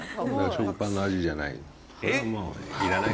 食パンの味じゃない。